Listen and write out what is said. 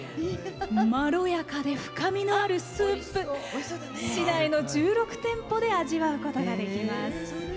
まろやかで深みのあるスープ市内の１６店舗で味わうことができます。